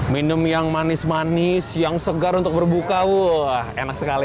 minum yang manis manis yang segar untuk berbuka enak sekali